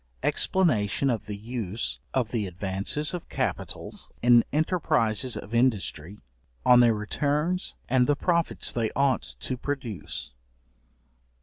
Explanation of the use of the advances of capitals in enterprises of industry; on their returns and the profits they ought to produce.